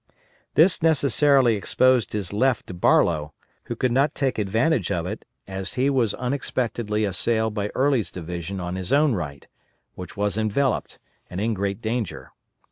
This necessarily exposed his left to Barlow, who could not take advantage of it as he was unexpectedly assailed by Early's division on his own right, which was enveloped, and in great danger.